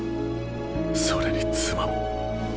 それに妻も。